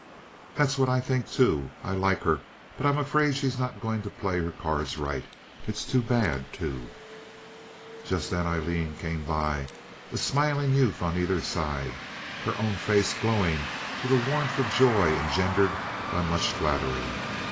"That's what I think, too. I like her, but I'm afraid she's not going to play her cards right. It's too bad, too." Just then Aileen came by, a smiling youth on either side, her own face glowing with a warmth of joy engendered by much flattery.